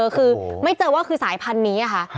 คือไม่เจอว่าคือสายพันธุ์นี้ค่ะ